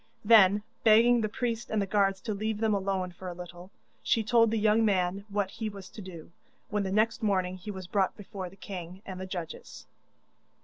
Then, begging the priest and the guards to leave them alone for a little, she told the young man what he was to do, when the next morning he was brought before the king and the judges.